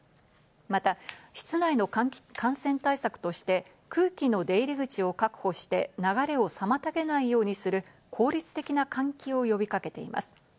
また室内の感染対策として空気の出入り口を確保して、流れを妨げないようにする効率的な換気を呼びかけています。